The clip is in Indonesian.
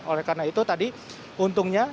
oleh karena itu tadi untungnya